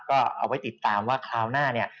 ก็เอาไว้ติดตามว่าคราวหน้าเนี่ย